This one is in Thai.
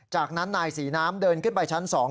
จากนั้นนายศรีน้ำเดินขึ้นไปชั้น๒